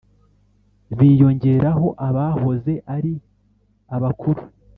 biyongeraho abahoze ari Abakuru